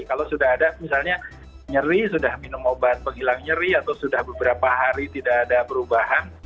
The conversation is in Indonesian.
kalau sudah ada misalnya nyeri sudah minum obat penghilang nyeri atau sudah beberapa hari tidak ada perubahan